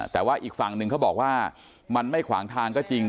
แต่ว่าอีกฝั่งหนึ่งเขาบอกว่ามันไม่ขวางทางก็จริง